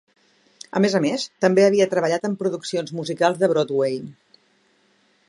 A més a més, també havia treballat en produccions musicals de Broadway.